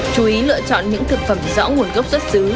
chú ý lựa chọn những thực phẩm rõ nguồn gốc xuất xứ